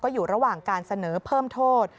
อยู่ระหว่างการเสนอเพิ่มโทษ